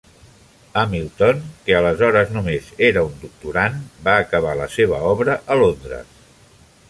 Hamilton, que aleshores només era un doctorand, va acabar la seva obra a Londres.